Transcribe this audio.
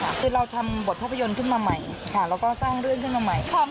เพราะเราทำบทภาพยนตร์ขึ้นมาใหม่เราสร้างเรื่องขึ้นมาใหม่